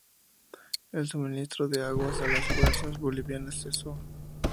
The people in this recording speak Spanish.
El suministro de agua a las fuerzas bolivianas cesó.